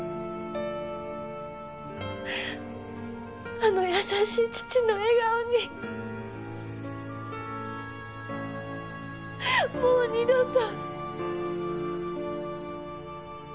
あの優しい父の笑顔にもう二度と。